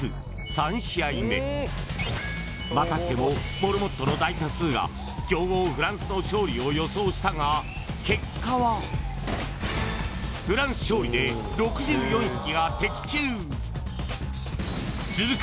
３試合目またしてもモルモットの大多数が強豪フランスの勝利を予想したが結果はフランス勝利で６４匹が的中続く